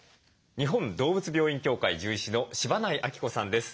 日本動物病院協会獣医師の柴内晶子さんです。